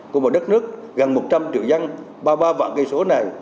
của một đất nước gần một trăm linh triệu dân ba mươi ba vạn cây số này